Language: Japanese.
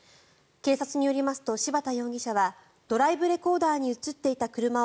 警察によりますと柴田容疑者はドライブレコーダーに映っていた車を